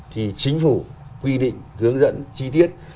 thì chính phủ quy định hướng dẫn chi tiết